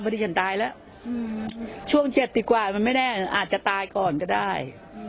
พอดีฉันตายแล้วอืมช่วงเจ็บดีกว่ามันไม่แน่อาจจะตายก่อนก็ได้